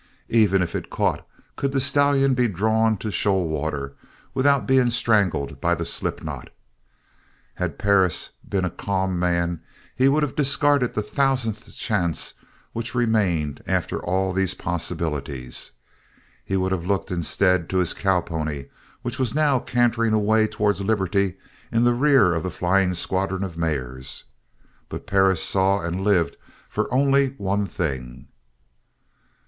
Even if it caught could the stallion be drawn to shoal water without being strangled by the slip knot? Had Perris been a calm man he would have discarded the thousandth chance which remained after all of these possibilities. He would have looked, instead, to his cowpony which was now cantering away towards liberty in the rear of the flying squadron of mares. But Perris saw and lived for only one thing.